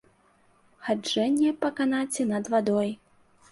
Хаджэнне па канаце над вадой.